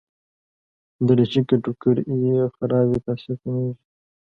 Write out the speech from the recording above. دریشي که ټوکر يې خراب وي، تاثیر کمېږي.